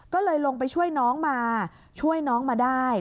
ก็เลยลงไปช่วยน้องมาช่วยน้องมาได้